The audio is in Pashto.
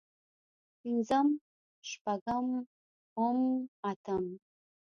پنځم شپږم اووم اتم